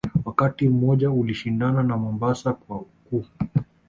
Wakati mmoja ulishindana na Mombasa kwa ukuu